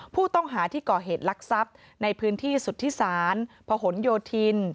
ผู้ต้องหาที่ก่อเหตุลักษัพในพื้นที่สุทธิศาลพหนโยธิน